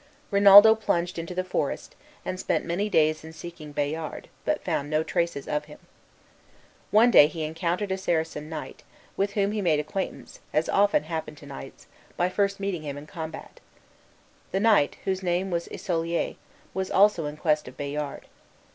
Rinaldo plunged into the forest, and spent many days in seeking Bayard, but found no traces of him. One day he encountered a Saracen knight, with whom he made acquaintance, as often happened to knights, by first meeting him in combat. This knight, whose name was Isolier, was also in quest of Bayard.